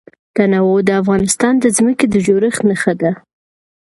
تنوع د افغانستان د ځمکې د جوړښت نښه ده.